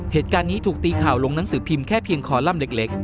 เหตุการณ์นี้ถูกตีข่าวลงหนังสือพิมพ์แค่เพียงคอลัมป์เล็ก